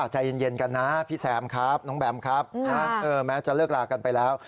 ใจเย็นกันนะพี่แซมครับน้องแบมครับแม้จะเลิกลากันไปแล้ว